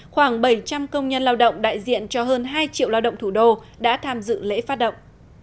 khoảng bảy trăm linh công nhân lao động đại diện cho hơn hai triệu lao động thủ đô đã tham dự lễ phát động